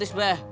i jep rah sa